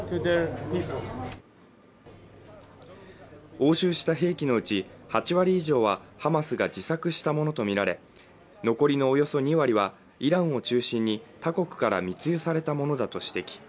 押収した兵器のうち８割以上はハマスが自作したものと見られ残りのおよそ２割はイランを中心に他国から密輸されたものだと指摘